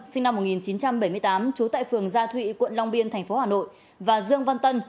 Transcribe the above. sinh năm một nghìn chín trăm bảy mươi tám trú tại phường gia thụy quận long biên tp hà nội và dương văn tân